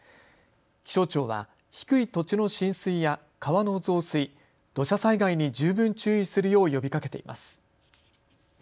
気象庁は低い土地の浸水や川の増水、土砂災害に十分注意するよう呼びかけています。